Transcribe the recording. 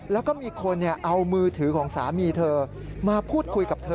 แล้วก็มีคนเอามือถือของสามีเธอมาพูดคุยกับเธอ